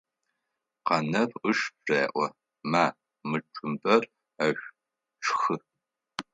Къанэф ыш реӏо: «Ма, мы цумпэр ӏэшӏу, шхы!».